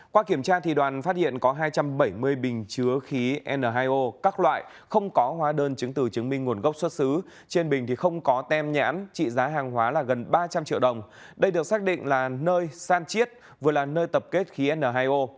qua kiểm tra đoàn phát hiện có hai trăm bảy mươi bình chứa khí n hai o các loại không có hóa đơn chứng từ chứng minh nguồn gốc xuất xứ trên bình không có tem nhãn trị giá hàng hóa là gần ba trăm linh triệu đồng đây được xác định là nơi san chiết vừa là nơi tập kết khí n hai o